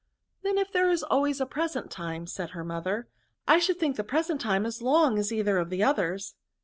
Then if there is always a present time," said her mother, *^ I should think the present time as long as either of the others."